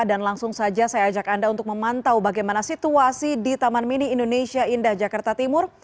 dan langsung saja saya ajak anda untuk memantau bagaimana situasi di taman mini indonesia indah jakarta timur